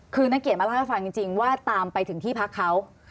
คือนักเกียจมาเล่าให้ฟังจริงว่าตามไปถึงที่พักเขา